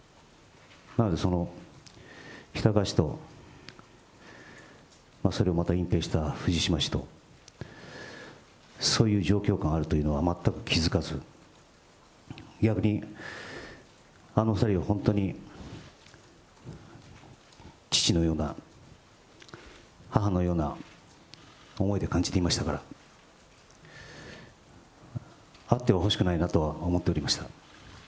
なので、その喜多川氏と、それをまた隠蔽した藤島氏と、そういう状況下にあるというのは全く気付かず、逆にあの２人を本当に父のような、母のような思いで感じていましたから、あってはほしくないなとは思っておりました。